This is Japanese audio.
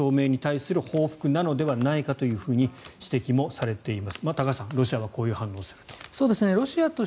これが戦車供与表明に対する報復なのではないかと指摘もされています。